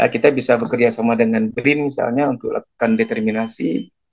kita bisa bekerja sama dengan brin misalnya untuk lakukan determinasi